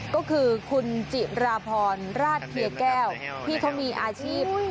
ก็คือคุณจิราพรราชเพียแก้วที่เขามีอาชีพ